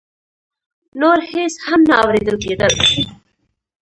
نور هېڅ هم نه اورېدل کېدل.